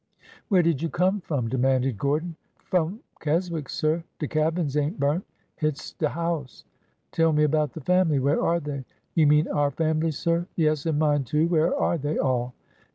" Where did you come from ?" demanded Gordon. " F'om Keswick, sir. De cabins ain't burnt. Hit 's de house." "Tell me about the family! Where are they?" " You mean our fambly, sir? "" Yes, and mine, too. Where are they all?